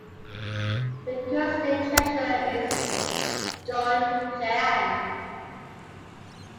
The current state treasurer is John Chiang.